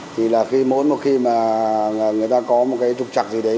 thì là khi mỗi một khi mà người ta có một cái trục trặc gì đấy